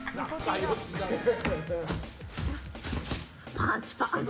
パンチ、パンチ！